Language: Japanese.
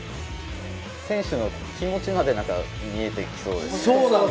選手の気持ちまで見えてきそうですよね。